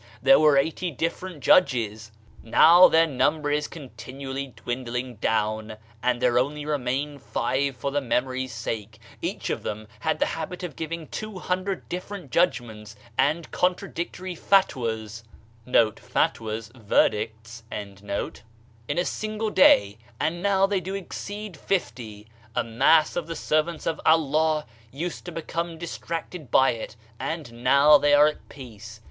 there were eigh^ different judges, now their number is continually dwindling down, and there only remain five for the memory's sake. Each of them had the habit of giving 200 different judgments and contradictory f atwas ' in a single day, and now" they do not exceed fifty I A mass of (he servants of Allah used to become dis tracted by it, and now they are at peace.